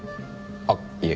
あっいえ。